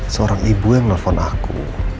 seorang ibu yang nelfon aku